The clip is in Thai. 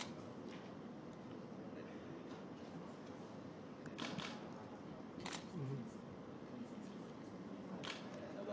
ครับขอบคุณครับ